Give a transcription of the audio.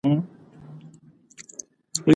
حاجیان باید مخکې له مخکې متوجه وي.